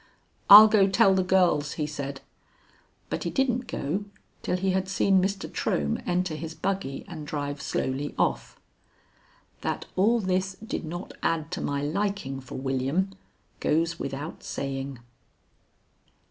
"I'll go tell the girls," he said. But he didn't go till he had seen Mr. Trohm enter his buggy and drive slowly off. That all this did not add to my liking for William goes without saying.